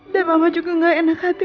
dan mama juga gak enak hati